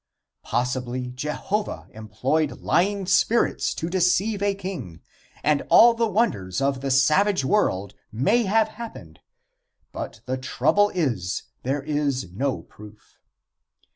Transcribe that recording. Possibly Jehovah employed lying spirits to deceive a king, and all the wonders of the savage world may have happened, but the trouble is there is no proof.